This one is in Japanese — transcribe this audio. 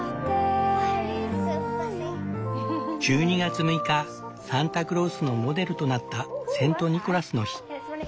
１２月６日サンタクロースのモデルとなったセント・ニコラスの日。